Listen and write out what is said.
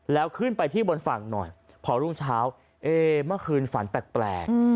แล้วขึ้นไปที่บนฝั่งหน่อยพอรุ่งเช้าเอเมื่อคืนฝันแปลก